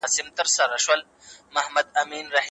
تعليم شوې نجونې د ګډو خدمتونو باور زياتوي.